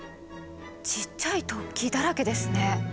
ちっちゃい突起だらけですね。